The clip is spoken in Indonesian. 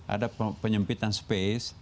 ada penyempitan space